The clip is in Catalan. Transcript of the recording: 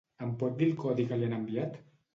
Em pot dir el codi que li han enviat?